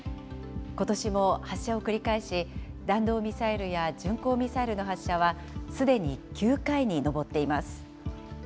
ことしも発射を繰り返し、弾道ミサイルや巡航ミサイルの発射はすでに９回に上っています。